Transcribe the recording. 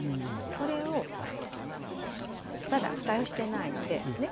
これをまだ蓋してないのでね